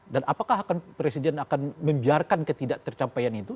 dan apakah presiden akan membiarkan ketidak tercapaian itu